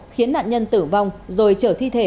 khiến nạn nhân tử vong rồi trở thi thể